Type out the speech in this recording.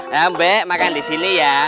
ya mbak makan disini ya